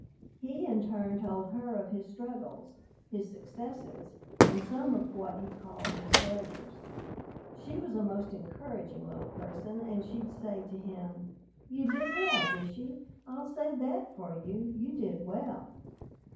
He in turn told her of his struggles, his successes, and some of what he called his failures. She was a most encouraging little person, and she'd say to him, "You did well, Bishey. I'll say that for you: you did well!"